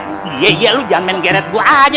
eh iya iya lu jangan main geret gue aja